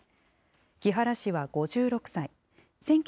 木原氏は５６歳。